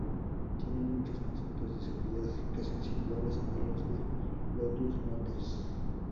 Tiene muchos conceptos de seguridad que son similares a los de Lotus Notes.